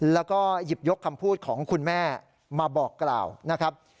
แล้วก็หยิบยกคำพูดของคุณแม่มาบอกกล่าวนะครับ